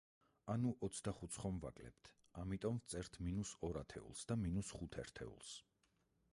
ანუ ოცდახუთს ხომ ვაკლებთ, ამიტომ ვწერთ მინუს ორ ათეულს და მინუს ხუთ ერთეულს.